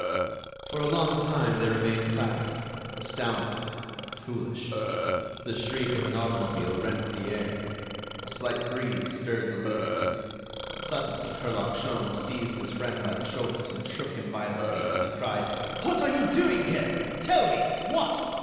For a long time they remained silent, astounded, foolish. The shriek of an automobile rent the air. A slight breeze stirred the leaves. Suddenly, Herlock Sholmes seized his friend by the shoulders and shook him violently, as he cried: "What are you doing here? Tell me.... What?...